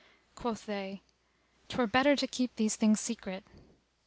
Quoth they "'Twere better to keep these things secret."